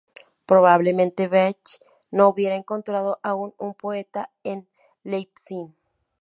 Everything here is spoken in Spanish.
Probablemente Bach no hubiera encontrado aún un poeta en Leipzig.